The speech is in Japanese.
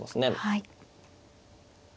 はい。